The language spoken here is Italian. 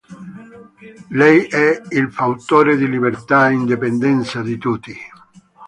Lei è il fautore di libertà e indipendenza di tutti.